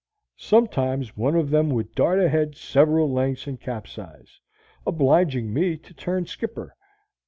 Sometimes one of them would dart ahead several lengths and capsize, obliging me to turn skipper.